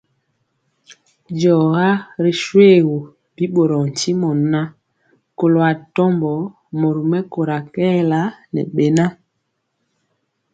Diɔga ri shoégu, bi ɓorɔɔ ntimɔ ŋan, kɔlo atɔmbɔ mori mɛkóra kɛɛla ŋɛ beŋa.